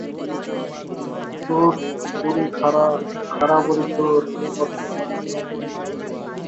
থোড় বড়ি খাড়া, খাড়া বড়ি থোড়—এই কথাটার সার্থক রূপ হচ্ছে বাংলাদেশের ফুটবল।